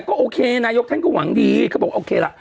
เจ๊งายกที่ที่ของหวังดีเขาบอกโอเคล่ะ